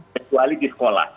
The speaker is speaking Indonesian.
kecuali di sekolah